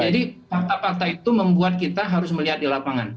jadi fakta fakta itu membuat kita harus melihat di lapangan